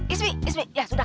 ismi ismi ya sudah